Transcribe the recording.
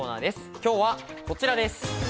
今日はこちらです。